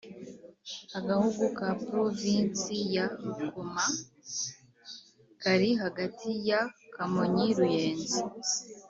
Agahugu ka Provinsi ya Rukoma kari hagati ya Kamonyi ruyenzi